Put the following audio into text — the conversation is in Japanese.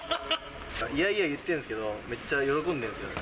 いやいや言ってるんですけど、めっちゃ喜んでるんですよね。